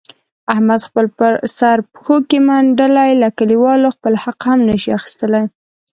احمد خپل سر پښو کې منډلی، له کلیوالو خپل حق هم نشي اخستلای.